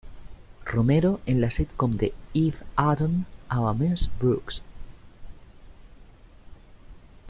Romero, en la sitcom de Eve Arden "Our Miss Brooks".